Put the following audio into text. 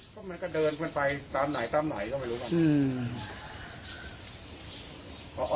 ก็มันก็เดินกันไปตามไหนตามไหนก็ไม่รู้กัน